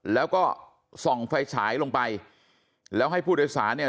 แล้วก็ส่องไฟฉายลงไปแล้วให้ผู้โดยสารเนี่ย